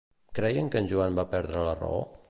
Creien que en Joan va perdre la raó?